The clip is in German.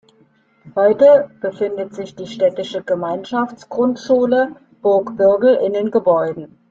Heute befindet sich die "Städtische Gemeinschaftsgrundschule Burg Birgel" in den Gebäuden.